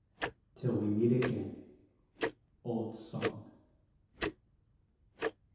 ''Till we meet again." Old song.